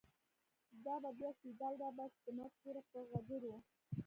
دابه بیا “سیدال” راباسی، دمرګ توره په غجرو